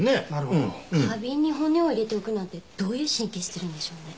花瓶に骨を入れておくなんてどういう神経してるんでしょうね。